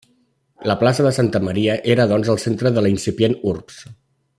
La plaça de Santa Maria, era doncs el centre de la incipient urbs.